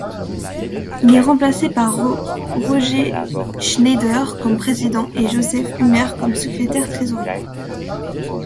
Il est remplacé par Roger Schneider; comme président et Joseph Humez comme secrétaire-Trésorier.